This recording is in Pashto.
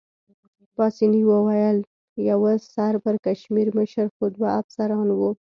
پاسیني وویل: یوه سر پړکمشر مشر خو دوه افسران وو.